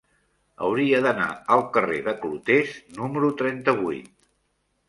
Hauria d'anar al carrer de Clotés número trenta-vuit.